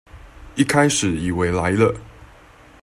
一開始以為來了